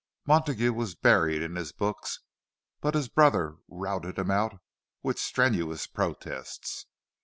Montague was buried in his books, but his brother routed him out with strenuous protests.